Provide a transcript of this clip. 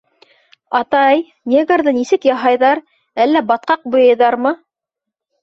— Атай, негрҙы нисек яһайҙар, әллә батҡаҡ буяйҙармы?